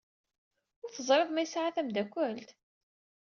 Ur teẓriḍ ma yesɛa tameddakelt?